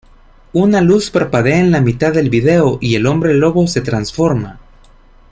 Una luz parpadea en la mitad del video, y el hombre lobo se transforma.